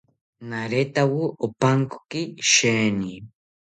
Naretawo opankoki sheeni